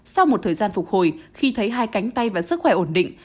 sau một thời gian phục hồi khi thấy hai cánh tay và sức khỏe ổn định